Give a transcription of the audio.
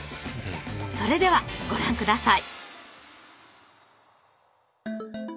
それではご覧下さい。